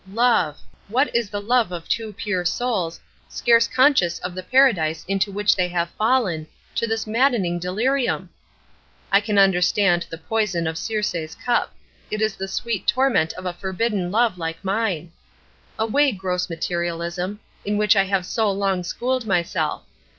Love! What is the love of two pure souls, scarce conscious of the Paradise into which they have fallen, to this maddening delirium? I can understand the poison of Circe's cup; it is the sweet torment of a forbidden love like mine! Away gross materialism, in which I have so long schooled myself!